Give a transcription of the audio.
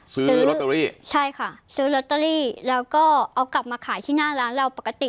ซื้อลอตเตอรี่ใช่ค่ะซื้อลอตเตอรี่แล้วก็เอากลับมาขายที่หน้าร้านเราปกติ